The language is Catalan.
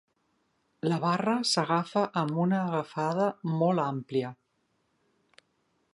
La barra s'agafa amb una agafada molt àmplia.